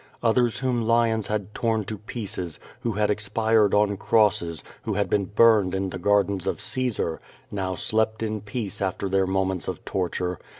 Others whom lions had torn to pieces, who had expired on crosses, who had been burned in the gardens of Caesar, now slept in peace after their moments of torture.